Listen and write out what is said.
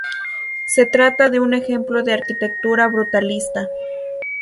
Se trata de un ejemplo de arquitectura brutalista.